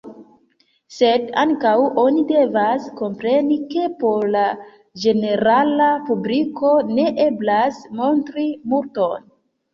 Sed ankaŭ oni devas kompreni, ke por la ĝenerala publiko ne eblas montri multon.